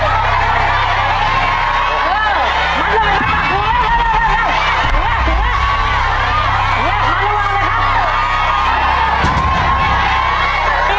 เป็นประจำไว้